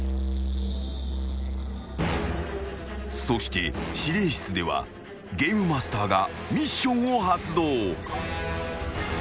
［そして司令室ではゲームマスターがミッションを発動］